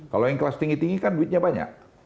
kalau yang kelas tinggi tinggi kan duitnya banyak